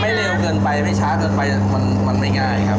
เร็วเกินไปไม่ช้าเกินไปมันไม่ง่ายครับ